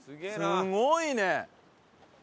すごいね！